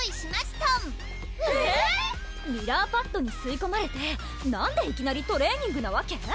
トンえぇっ⁉ミラーパッドにすいこまれてなんでいきなりトレーニングなわけ？